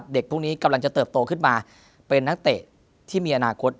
เด็กพวกนี้กำลังจะเติบโตขึ้นมาเป็นนักเตะที่มีอนาคต